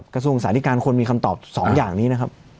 กระทรวงสาธิการควรมีคำตอบ๒อย่างนี้นะครับ